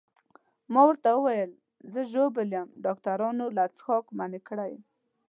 ما ورته وویل زه ژوبل یم، ډاکټرانو له څښاکه منع کړی یم.